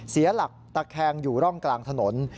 เสียหลักตะแคงอยู่ร่องกลางถนน